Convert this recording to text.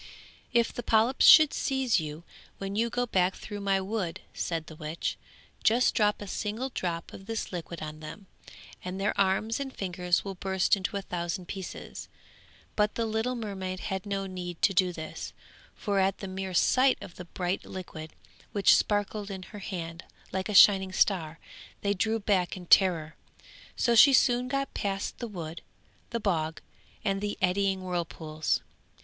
'If the polyps should seize you, when you go back through my wood,' said the witch, 'just drop a single drop of this liquid on them, and their arms and fingers will burst into a thousand pieces.' But the little mermaid had no need to do this, for at the mere sight of the bright liquid, which sparkled in her hand like a shining star, they drew back in terror. So she soon got past the wood, the bog, and the eddying whirlpools.